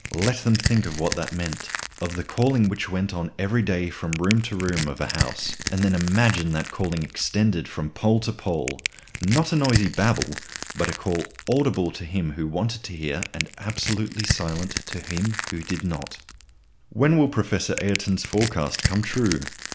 Let them think of what that meant; of the calling which went on every day from room to room of a house, and then imagine that calling extending from pole to pole; not a noisy babble, but a call audible to him who wanted to hear and absolutely silent to him who did not." [Illustration: Guglielmo Marconi.] When will Professor Ayrton's forecast come true?